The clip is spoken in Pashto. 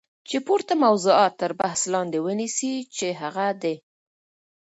چی پورته موضوعات تر بحث لاندی ونیسی چی هغه د